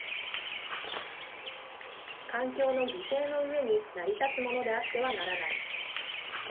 環境の犠牲の上に成り立つものであってはならない。